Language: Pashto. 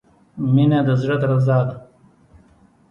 • مینه د زړۀ درزا ده.